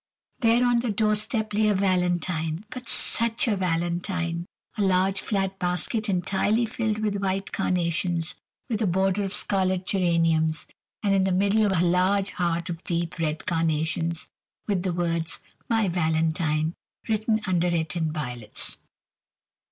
There on the doorstep lay a valentine, but such a valentine! A large flat basket entirely filled with white carnations, with a border of scarlet geraniums, and in the middle a huge heart of deep red carnations, with the words "My Valentine" written under it in violets.